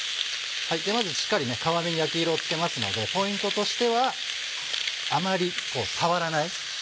まずしっかり皮目に焼き色をつけますのでポイントとしてはあまり触らない。